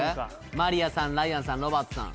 マリアさんライアンさんロバートさん